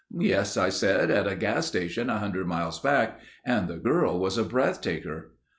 "Yes," I said. "At a gas station a hundred miles back, and the girl was a breath taker."